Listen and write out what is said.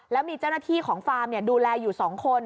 แล้วมีเจ้าหน้าที่ของฟาร์มดูแลอยู่๒คน